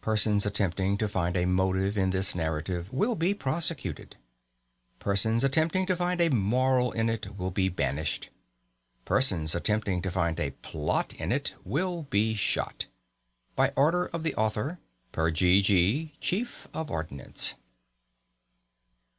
Persons attempting to find a motive in this narrative will be prosecuted; persons attempting to find a moral in it will be banished; persons attempting to find a plot in it will be shot. BY ORDER OF THE AUTHOR PER G. G., CHIEF OF ORDNANCE.